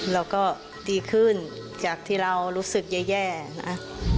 เราก็ดีขึ้นจากที่เรารู้สึกแย่นะ